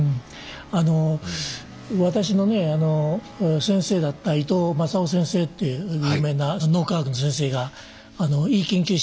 あの私のね先生だった伊藤正男先生という有名な脳科学の先生が鈍？